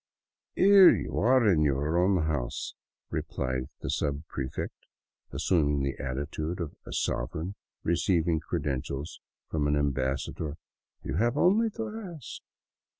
" Here you are in your own house," replied the subprefect, assum ing the attitude of a sovereign receiving credentials from an ambassa dor ;" You have only to ask."